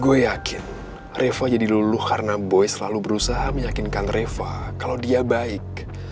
gue yakin reva jadi luluh karena boy selalu berusaha meyakinkan reva kalau dia baik